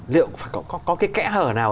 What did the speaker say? liệu có cái kẽ hở nào